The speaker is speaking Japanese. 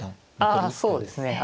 ああそうですね。